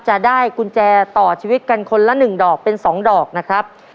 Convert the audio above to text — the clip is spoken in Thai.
จะได้กุญแจต่อชีวิตกันคนละ๑ดอกเป็น๒ดอกนะครับ